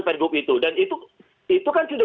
pergub itu dan itu kan sudah